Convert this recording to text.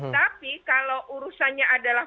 tapi kalau urusannya adalah